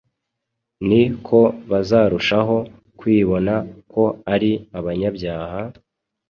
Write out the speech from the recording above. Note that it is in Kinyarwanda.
ni ko bazarushaho kwibona ko ari abanyabyaha,